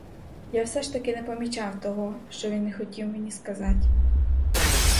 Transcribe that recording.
Я все ж таки не помічав того, що він не хотів мені сказать.